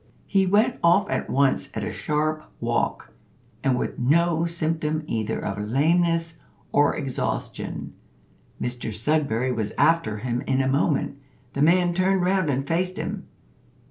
He went off at once at a sharp walk, and with no symptom either of lameness or exhaustion. Mr Sudberry was after him in a moment. The man turned round and faced him.